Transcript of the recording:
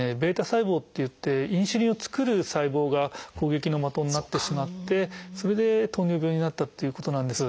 β細胞っていってインスリンを作る細胞が攻撃の的になってしまってそれで糖尿病になったということなんです。